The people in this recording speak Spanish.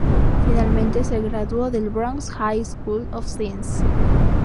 Finalmente se graduó del Bronx High School of Science.